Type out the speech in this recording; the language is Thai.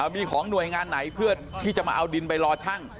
มีของหน่วยงานไหนเพื่อที่จะมาเอาดินไปรอช่าง